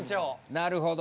なるほど。